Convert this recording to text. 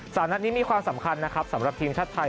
นัดนี้มีความสำคัญนะครับสำหรับทีมชาติไทย